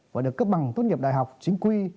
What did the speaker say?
và được cấp bằng tốt nghiệp đại học chính quy